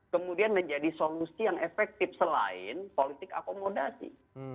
kemudian menjadi solusi yang efektif selain politik akomodasi